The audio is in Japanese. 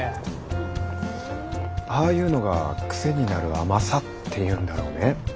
ああいうのがクセになる甘さっていうんだろうね。